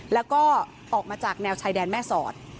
แล้วก็ออกมาจากแนวชายแดนแม่สอด